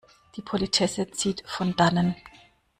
Die Politesse zieht von Dannen.